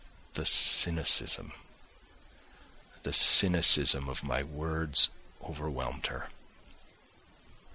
The cynicism, the cynicism of my words overwhelmed her....